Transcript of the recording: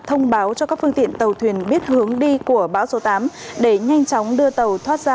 thông báo cho các phương tiện tàu thuyền biết hướng đi của bão số tám để nhanh chóng đưa tàu thoát ra